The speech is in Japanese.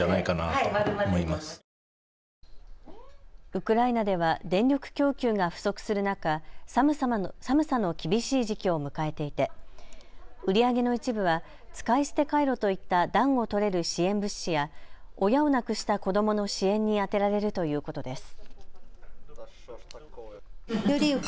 ウクライナでは電力供給が不足する中、寒さの厳しい時期を迎えていて売り上げの一部は使い捨てカイロといった暖を取れる支援物資や親を亡くした子どもの支援に充てられるということです。